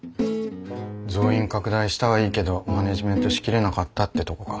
増員拡大したはいいけどマネージメントしきれなかったってとこか。